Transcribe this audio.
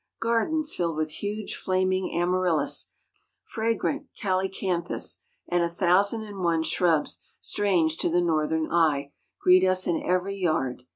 Gardens filled with huge, flaming amaryllis, fragrant calycanthus and a thousand and one shrubs strange to the northern eye, greet us in every yard.